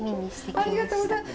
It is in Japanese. ありがとうございます。